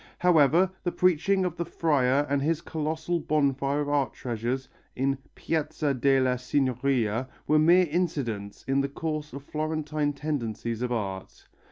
However, the preaching of the friar and his colossal bonfire of art treasures in Piazza della Signoria were mere incidents in the course of Florentine tendencies of art.